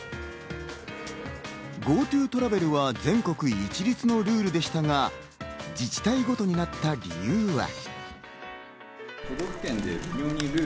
ＧｏＴｏトラベルは全国一律のルールでしたが、自治体ごとになった理由は。